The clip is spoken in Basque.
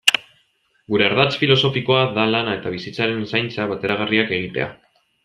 Gure ardatz filosofikoa da lana eta bizitzaren zaintza bateragarriak egitea.